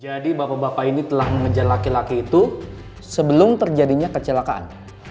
jadi bapak bapak ini telah mengejar laki laki itu sebelum terjadinya kecelakaan